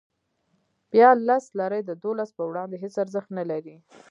بیا لس لیرې د دولسو په وړاندې هېڅ ارزښت نه لري.